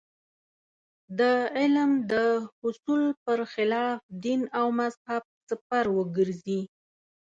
د علم د حصول پر خلاف دین او مذهب سپر وګرځي.